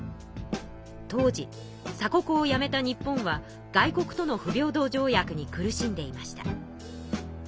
当時鎖国をやめた日本は外国との不平等条約に苦しんでいました。